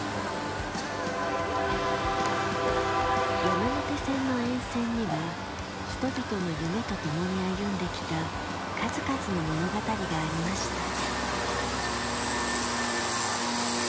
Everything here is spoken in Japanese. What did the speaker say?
山手線の沿線には人々の夢と共に歩んできた数々の物語がありました。